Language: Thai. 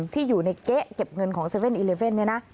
ที่อยู่ในเก๊ะเก็บเงินของ๗๑๑เนี่ยนะ